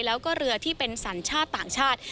แล้วก็เรือที่เป็นสัญชาติต่างชาติ